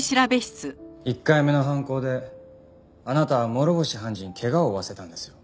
１回目の犯行であなたは諸星判事に怪我を負わせたんですよ。